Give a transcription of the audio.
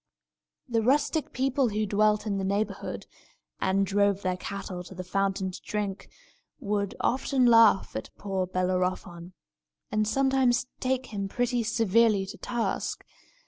The rustic people who dwelt in the neighbourhood, and drove their cattle to the fountain to drink, would often laugh at poor Bellerophon, and sometimes take him pretty severely to task.